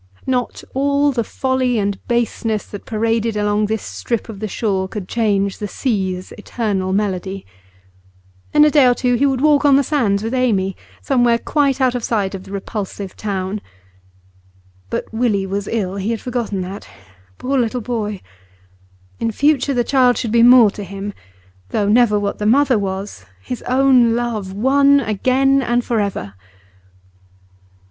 Not all the folly and baseness that paraded along this strip of the shore could change the sea's eternal melody. In a day or two he would walk on the sands with Amy, somewhere quite out of sight of the repulsive town. But Willie was ill; he had forgotten that. Poor little boy! In future the child should be more to him; though never what the mother was, his own love, won again and for ever.